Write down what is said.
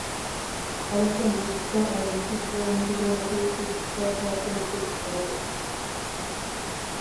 পারস্যের মুক্তা আর কিসরার মুকুটের মতি তুসতার শহরকে মুক্ত করতে হবে।